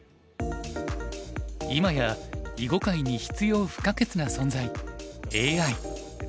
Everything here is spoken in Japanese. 今や囲碁界に必要不可欠な存在ＡＩ。